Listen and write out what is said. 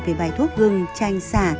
về bài thuốc gừng chanh sả